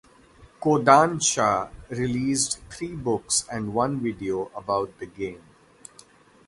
Kodansha released three books and one video about the game.